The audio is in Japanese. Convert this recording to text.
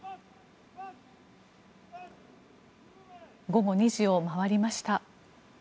午後２時を回りました。